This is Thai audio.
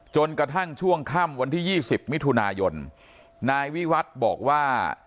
จนกระทั่งช่วงค่ำวันที่๒๐มิถุนายนนายวิวัฒน์บอกว่า